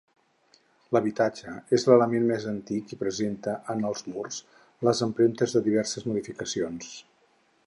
L'habitatge és l'element més antic i presenta en els murs les empremtes de diverses modificacions.